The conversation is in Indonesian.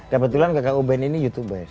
kebetulan kakak uben ini youtuber